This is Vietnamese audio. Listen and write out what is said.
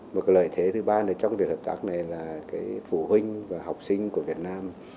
một cái lợi thế thứ ba trong việc hợp tác này là phụ huynh và học sinh của việt nam